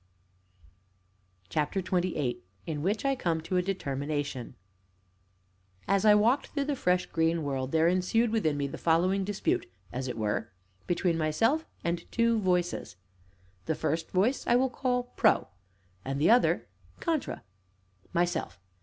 CHAPTER XXVIII IN WHICH I COME TO A DETERMINATION As I walked through the fresh, green world there ensued within me the following dispute, as it were, between myself and two voices; and the first voice I will call Pro, and the other Contra. MYSELF.